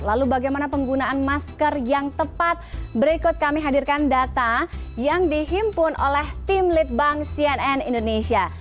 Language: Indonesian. lalu bagaimana penggunaan masker yang tepat berikut kami hadirkan data yang dihimpun oleh tim litbang cnn indonesia